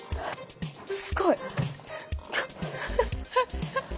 すごい。